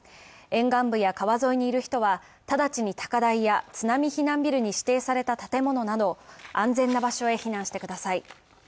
沿岸部や川沿いにいる人は直ちに高台や津波避難ビルに指定された建物など安全な場所へ避難してください。